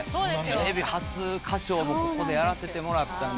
テレビ初歌唱もここでやらせてもらったんで。